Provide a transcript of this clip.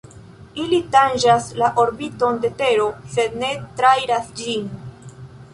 Ili tanĝas la orbiton de Tero sed ne trairas ĝin.